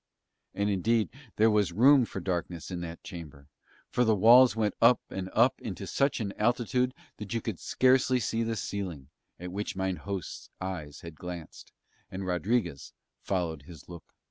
And indeed there was room for darkness in that chamber, for the walls went up and up into such an altitude that you could scarcely see the ceiling, at which mine host's eyes glanced, and Rodriguez followed his look.